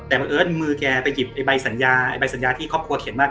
แต่บังเอิญมือแกไปหยิบใบสัญญาไอ้ใบสัญญาที่ครอบครัวเขียนว่า